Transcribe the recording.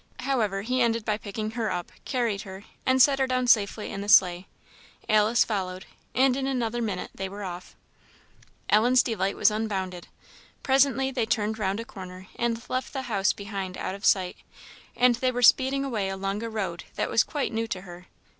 However, he ended by picking her up, carried her, and set her down safely in the sleigh. Alice followed, and in another minute they were off. Ellen's delight was unbounded. Presently they turned round a corner and left the house behind out of sight; and they were speeding away along a road that was quite new to her.